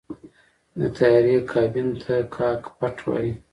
د طیارې کابین ته “کاکپټ” وایي.